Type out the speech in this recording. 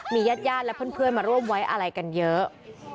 ญาติญาติและเพื่อนมาร่วมไว้อะไรกันเยอะ